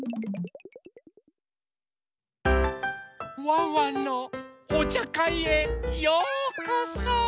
ワンワンのおちゃかいへようこそ！